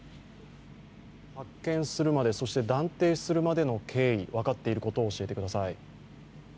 発見するまで、断定するまでの経緯、分かっていることを教えてください。